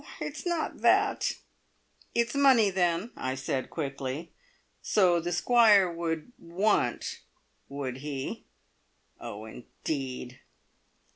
it's not that " "It's money, then," I said quickly. (So the Squire would "want," would he? Oh, indeed!)